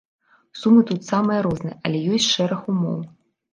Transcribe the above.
Сумы тут самыя розныя, але ёсць шэраг умоў.